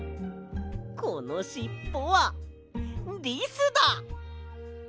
このしっぽはリスだ！